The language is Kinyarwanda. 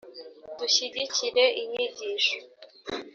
dushyigikire inyigisho